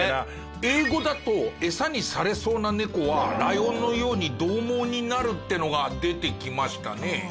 英語だと餌にされそうな猫はライオンのように獰猛になるっていうのが出てきましたね。